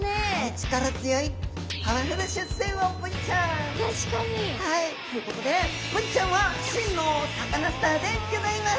力強い確かに。ということでブリちゃんは真のサカナスターでギョざいます！